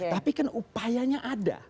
tapi kan upayanya ada